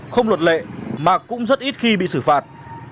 không luật lệ mà cũng rất ít khi bị xử phạt